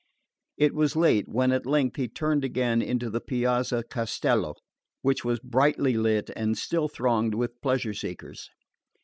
It was late when at length he turned again into the Piazza Castello, which was brightly lit and still thronged with pleasure seekers.